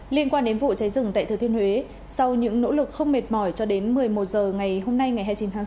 liên quan đến vụ cháy rừng tại thừa thiên huế sau những nỗ lực không mệt mỏi cho đến một mươi một h ngày hôm nay ngày hai mươi chín tháng sáu